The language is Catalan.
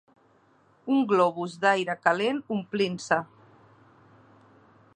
Un globus d'aire calent omplint-se.